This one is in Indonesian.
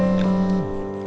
bisa diketek ajib butter